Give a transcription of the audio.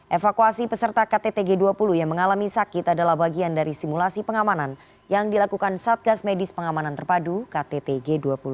evakuasi peserta kttg dua puluh yang mengalami sakit adalah bagian dari simulasi pengamanan yang dilakukan satgas medis pengamanan terpadu ktt g dua puluh